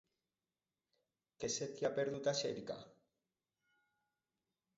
Què se t'hi ha perdut, a Xèrica?